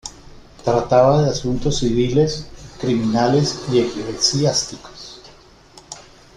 Trataba de asuntos civiles, criminales y eclesiásticos.